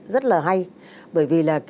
rất là hay bởi vì